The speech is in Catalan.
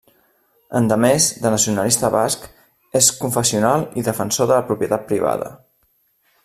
Endemés de nacionalista basc, és confessional i defensor de la propietat privada.